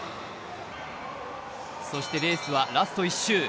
そしてレースはラスト１周。